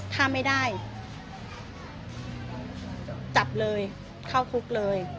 ถ้าไม่ได้จับเลยเข้าคุกเลย